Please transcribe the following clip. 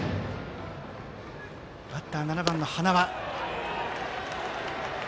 バッターは７番の塙。